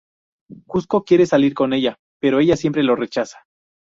Kuzco quiere salir con ella, pero ella siempre lo rechaza.